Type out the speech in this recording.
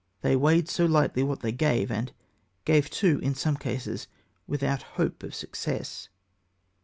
"They weighed so lightly what they gave," and gave, too, in some cases without hope of success.